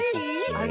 あれ？